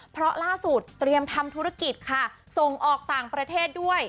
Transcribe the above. เพราะล่าสุดเตรียมทำธุรกิจค่ะส่งออกต่างประเทศด้วย